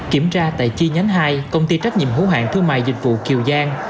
kiểm tra tại chi nhánh hai công ty trách nhiệm hữu hạng thương mại dịch vụ kiều giang